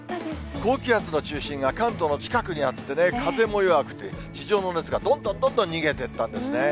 高気圧の中心が関東の近くにあってね、風も弱くて、地上の熱がどんどんどんどん逃げてったんですね。